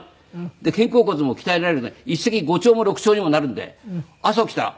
肩甲骨も鍛えられるので一石五鳥も六鳥にもなるんで朝起きたら。